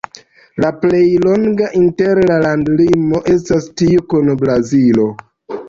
La plej longa inter la landlimoj estas tiu kun Brazilo.